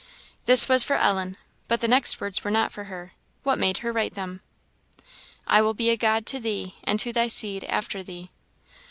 This was for Ellen; but the next words were not for her; what made her write them? "I will be a God to thee, and to thy seed after thee."